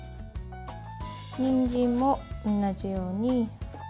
にんじんも同じように。